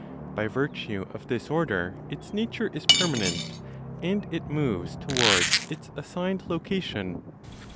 By virtue of this order its nature is permanent, and it moves towards its assigned location.